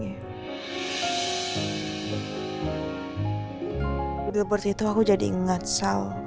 gitu waktu itu aku jadi ngga tsal